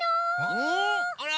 あら？